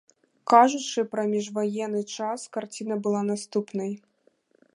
Кажучы пра міжваенны час, карціна была наступнай.